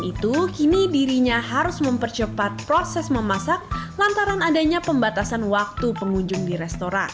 selain itu kini dirinya harus mempercepat proses memasak lantaran adanya pembatasan waktu pengunjung di restoran